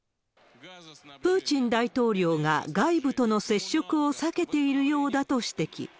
プーチン大統領が外部との接触を避けているようだと指摘。